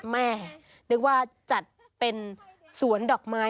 เนื่องว่าจัดเป็นส่วนดอกไม้